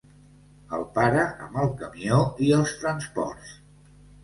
El pare amb el camió i els transports.